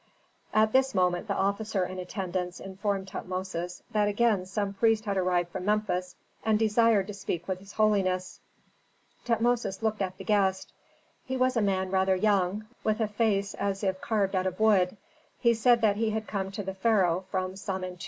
At this moment the officer in attendance informed Tutmosis that again some priest had arrived from Memphis, and desired to speak with his holiness. Tutmosis looked at the guest. He was a man rather young, with a face as if carved out of wood. He said that he had come to the pharaoh from Samentu.